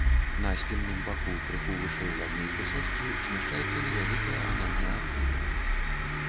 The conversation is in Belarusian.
На спінным баку крыху вышэй задняй прысоскі змяшчаецца невялікая анальная адтуліна.